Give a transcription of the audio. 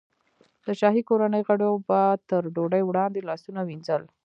د شاهي کورنۍ غړیو به تر ډوډۍ وړاندې لاسونه وینځل.